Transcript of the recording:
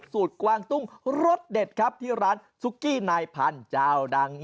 กวางตุ้งรสเด็ดครับที่ร้านซุกกี้นายพันธุ์เจ้าดัง